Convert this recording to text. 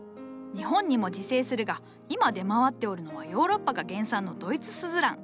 日本にも自生するが今出回っておるのはヨーロッパが原産のドイツスズラン。